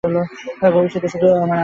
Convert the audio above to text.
ভবিষ্যতে শুধু আমার আদেশ পালন করবে।